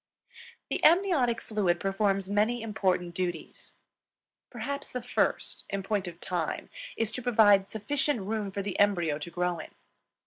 The amniotic fluid performs many important duties. Perhaps the first, in point of time, is to provide sufficient room for the embryo to grow in.